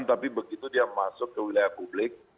tapi begitu dia masuk ke wilayah publik